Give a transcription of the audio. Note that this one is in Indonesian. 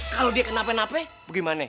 kalau dia kenape nape gimana